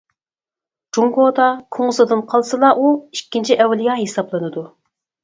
جۇڭگودا كۇڭزىدىن قالسىلا ئۇ «ئىككىنچى ئەۋلىيا» ھېسابلىنىدۇ.